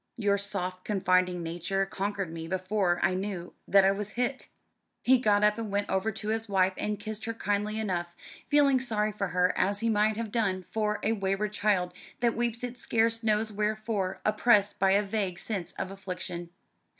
Your soft confiding nature conquered me before I knew that I was hit." He got up and went over to his wife and kissed her kindly enough, feeling sorry for her as he might have done for a wayward child that weeps it scarce knows wherefore, oppressed by a vague sense of affliction.